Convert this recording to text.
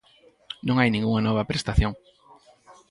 Non hai ningunha nova prestación.